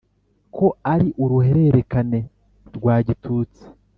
ko ari uruhererekane rwa gitutsi